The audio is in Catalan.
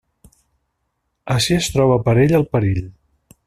Ací es troba per a ell el perill.